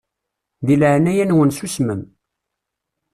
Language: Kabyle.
Di leɛnaya-nwen susmem.